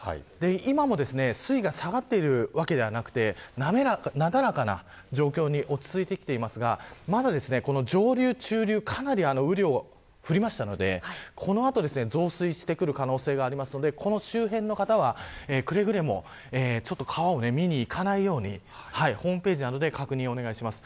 今も水位が下がっているわけではなくてなだらかな状況に落ち着いてきていますがまだ上流、中流かなり雨量が降りましたのでこの後増水する可能性がありますのでこの周辺の方はくれぐれも川を見に行かないようにホームページなどで確認お願いします。